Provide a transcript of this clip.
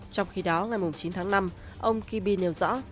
trong khi đó ngày chín tháng năm ông kiby nêu rõ